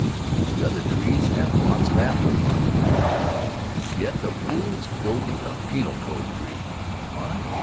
The other trees have lots of apples on them for all. Yet the fools go to the Penal Code Tree. Why?